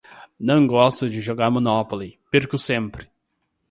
Não gosto de jogar Monopoly, perco sempre!